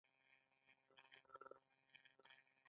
انکشافي بودیجه د پلانونو تطبیق لپاره ده.